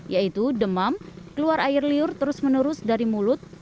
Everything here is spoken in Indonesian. yaitu demam keluar air liur terus menerus dari mulut